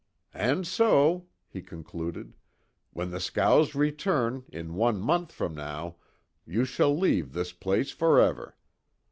"And so," he concluded, "When the scows return, in one month from now, you shall leave this place forever.